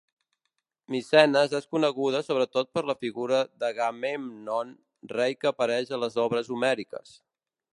Micenes és coneguda sobretot per la figura d'Agamèmnon, rei que apareix en les obres homèriques.